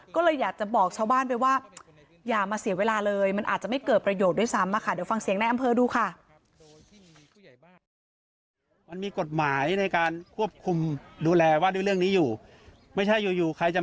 ก็เลยอยากจะบอกชาวบ้านไปว่าอย่ามาเสียเวลาเลยมันอาจจะไม่เกิดประโยชน์ด้วยซ้ำค่ะ